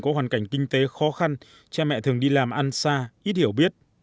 có hoàn cảnh kinh tế khó khăn cha mẹ thường đi làm ăn xa ít hiểu biết